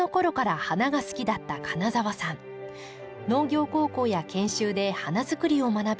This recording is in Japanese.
農業高校や研修で花づくりを学び